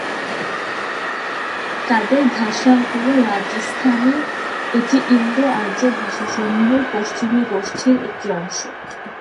তাদের ভাষা হল রাজস্থানী, এটি ইন্দো-আর্য ভাষাসমূহের পশ্চিমী গোষ্ঠীর একটি অংশ।